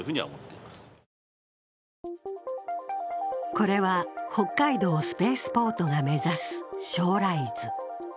これは北海道スペースポートが目指す将来図。